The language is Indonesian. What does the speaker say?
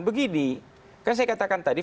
begini kan saya katakan tadi